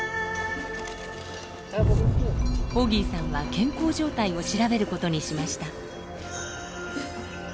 オギーさんは健康状態を調べることにしました。